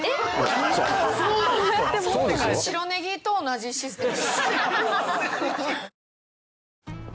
白ネギと同じシステム。